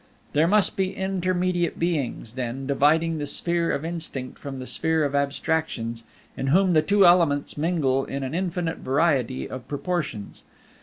There must be intermediate Beings, then, dividing the sphere of Instinct from the sphere of Abstractions, in whom the two elements mingle in an infinite variety of proportions.